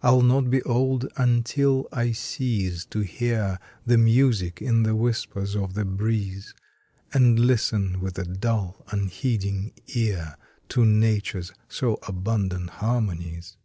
I ll not be old until I cease to hear The music in the whispers of the breeze, And listen with a dull, unheeding ear To Nature s so abundant harmonies.